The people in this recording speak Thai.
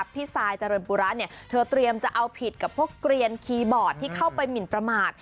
พี่ซายเจริญปุระเธอเตรียมจะเอาผิดกับพวกเกลียนคีย์บอร์ดที่เข้าไปหมินประมาท